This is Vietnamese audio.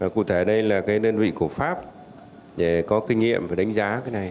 cụ thể đây là nền vị của pháp để có kinh nghiệm và đánh giá